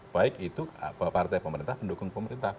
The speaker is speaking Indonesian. baik itu partai pemerintah pendukung pemerintah